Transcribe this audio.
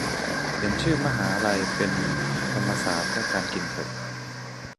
เปลี่ยนชื่อมหาลัยเป็นธรรมศาสตร์และการกินเถอะ